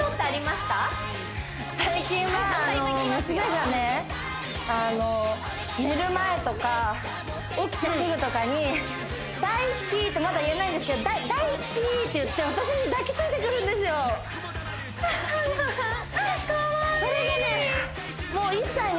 最近は娘がね寝る前とか起きてすぐとかに「大好きー」ってまだ言えないんですけど「だいしゅきー」って言って私に抱きついてくるんですよかわいい！